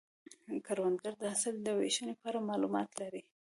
کروندګر د حاصل د ویشنې په اړه معلومات لري